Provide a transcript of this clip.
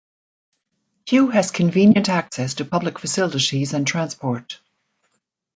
Kew has convenient access to public facilities and transport.